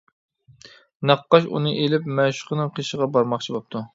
نەققاش ئۇنى ئېلىپ مەشۇقىنىڭ قېشىغا بارماقچى بوپتۇ.